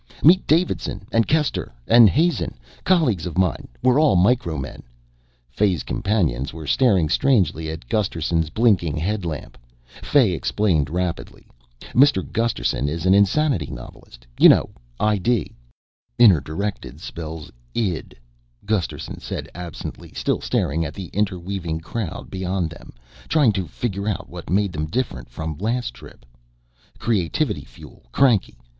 "Meet Davidson and Kester and Hazen, colleagues of mine. We're all Micro men." Fay's companions were staring strangely at Gusterson's blinking headlamp. Fay explained rapidly, "Mr. Gusterson is an insanity novelist. You know, I D." "Inner directed spells id," Gusterson said absently, still staring at the interweaving crowd beyond them, trying to figure out what made them different from last trip. "Creativity fuel. Cranky.